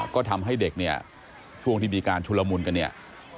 ก็ทำให้เด็กเนี่ยช่วงที่มีการชุลมุนกันเนี่ย